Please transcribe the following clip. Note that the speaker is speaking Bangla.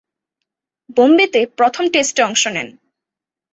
বোম্বেতে প্রথম টেস্টে অংশ নেন।